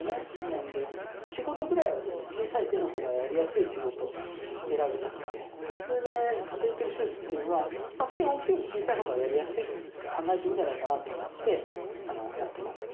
なんで仕事ぐらいはですね小さい手の方がやりやすい仕事選びたくてそれでカテーテル手術っていうのは手大きいより小さい方がやりやすいって考えていいんじゃないかなと思ってやってます。